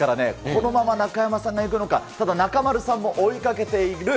このまま中山さんが行くのか、ただ中丸さんも追いかけている。